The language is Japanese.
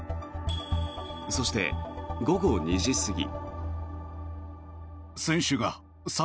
そして、午後２時過ぎ。